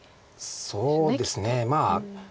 そうですねまあ。